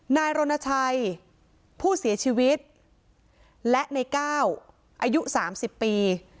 นายรณชัยผู้เสียชีวิตและในก้าวอายุ๓๐ปี